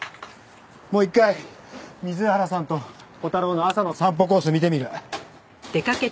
もう一回水原さんと小太郎の朝の散歩コース見てみる。